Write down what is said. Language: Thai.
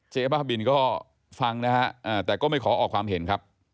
บ้าบินก็ฟังนะฮะแต่ก็ไม่ขอออกความเห็นครับ